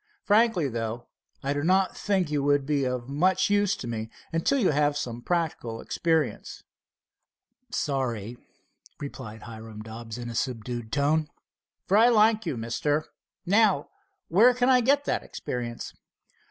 Frankly, though, I do not think you would be of much use to me until you have had some practical experience." "Sorry," replied Hiram Dobbs in a subdued tone, "for I like you, mister. Now, where can I get that experience?"